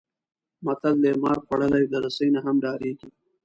متل دی: مار خوړلی د رسۍ نه هم ډارېږي.